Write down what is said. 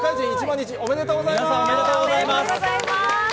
おめでとうございます。